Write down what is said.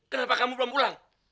kenapa kamu belum pulang